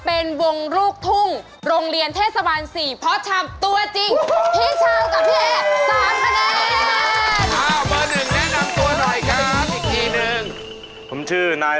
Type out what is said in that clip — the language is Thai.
เป็นวงลูกทุ่งโรงเรียนทศวรรษ์สี่พ้อชำตัวจริง